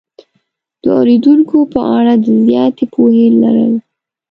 د اورېدونکو په اړه د زیاتې پوهې لرل